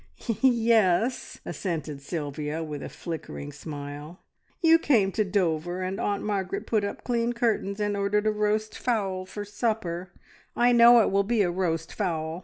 "Yes!" assented Sylvia, with a flickering smile. "You came to Dover, and Aunt Margaret put up clean curtains, and ordered a roast fowl for supper I know it will be a roast fowl!